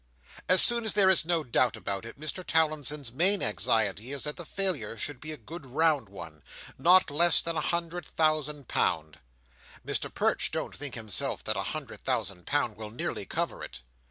As soon as there is no doubt about it, Mr Towlinson's main anxiety is that the failure should be a good round one—not less than a hundred thousand pound. Mr Perch don't think himself that a hundred thousand pound will nearly cover it.